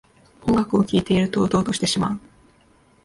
音楽を聴いているとウトウトしてしまう